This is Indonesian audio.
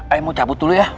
ayo mau cabut dulu ya